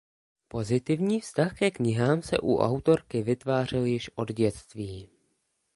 Pozitivní vztah ke knihám se u autorky vytvářel již od dětství.